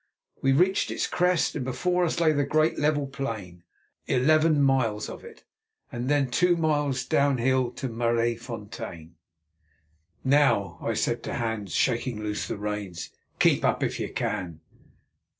We reached its crest, and before us lay the great level plain, eleven miles of it, and then two miles down hill to Maraisfontein. "Now," I said to Hans, shaking loose the reins, "keep up if you can!"